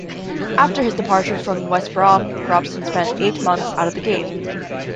After his departure from West Brom, Robson spent eight months out of the game.